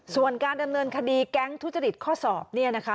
ส่วนการดำเนินคดีแก๊งทุจริตข้อสอบเนี่ยนะคะ